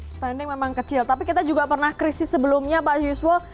spending memang kecil tapi kita juga pernah krisis sebelumnya pak yuswo